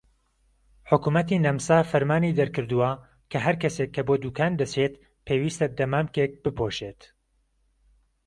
حکومەتی نەمسا فەرمانی دەرکردووە کە هەر کەسێک کە بۆ دوکان دەچێت پێویستە دەمامکێک بپۆشێت.